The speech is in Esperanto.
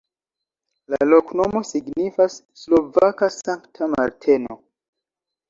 La loknomo signifas: slovaka-Sankta Marteno.